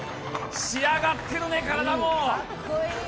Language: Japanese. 仕上がっているね、体も。